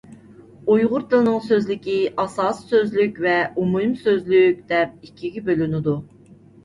ئۇيغۇر تىلىنىڭ سۆزلۈكى ئاساسىي سۆزلۈك ۋە ئومۇمىي سۆزلۈك دەپ ئىككىگە بۆلۈنىدۇ.